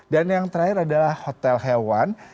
yang terakhir adalah hotel hewan